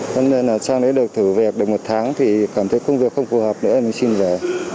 cho nên là sang đấy được thử việc được một tháng thì cảm thấy công việc không phù hợp nữa mình xin về